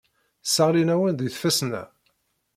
Sseɣlin-awen deg tfesna.